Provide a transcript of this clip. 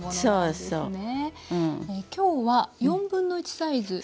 そうですね。